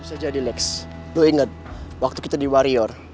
bisa jadi lex lo inget waktu kita di warrior